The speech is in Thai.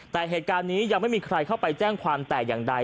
แต่เหตุการณ์นี้ยังไม่มีใครเข้าไปแจ้งความแต่อย่างใด